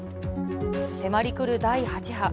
迫りくる第８波。